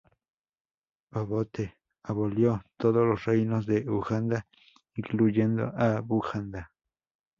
Obote abolió todos los reinos de Uganda, incluyendo a Buganda.